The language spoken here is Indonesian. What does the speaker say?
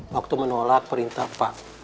waktu menolak perintah pak